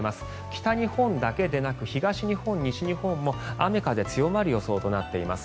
北日本だけでなく東日本、西日本も雨風強まる予想となっています。